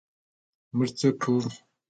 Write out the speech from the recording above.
موږ څه کم لرو؟